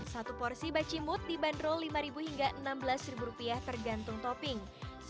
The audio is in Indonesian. satu porsi bacimut dibanderol rp lima hingga enam belas tergantung topping